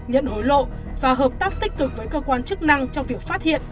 nhận hối lộ và hợp tác tích cực với cơ quan chức năng trong việc phát hiện